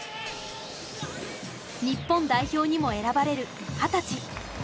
日本代表にも選ばれる二十歳。